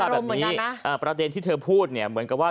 อารมณ์เพราะนี้ประเทศที่เธอพูดเนี่ยเหมือนกับว่า